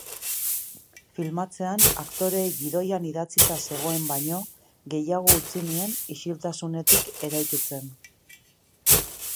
Filmatzean, aktoreei gidoian idatzita zegoen baino gehiago utzi nien isiltasunetik eraikitzen.